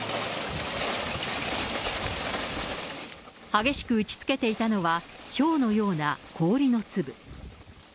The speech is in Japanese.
激しく打ちつけていたのは、ひょうのような氷の粒。